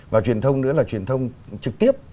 và truyền thông nữa là truyền thông trực tiếp